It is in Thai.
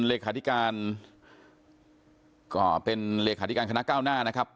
เลขาธิการก็เป็นเลขาธิการคณะก้าวหน้านะครับ